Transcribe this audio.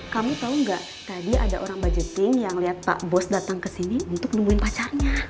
kamu tau gak tadi ada orang budgeting yang liat pak bos datang kesini untuk nungguin pacarnya